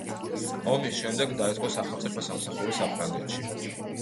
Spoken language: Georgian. ომის შემდეგ დაიწყო სახელმწიფო სამსახური საფრანგეთში.